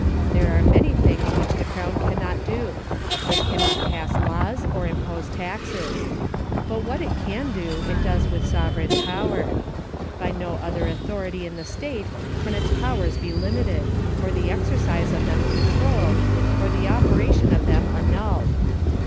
There are many things which the Crown cannot do ; it cannot pass laws or impose taxes. But what it can do it does with sovereign power. By no other authority in the state can its powers be limited, or the exercise of them controlled, or the operation of them an nulled.